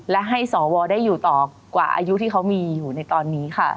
และให้สวได้อยู่ต่อกว่าอายุที่เขามีอยู่ในตอนนี้ค่ะ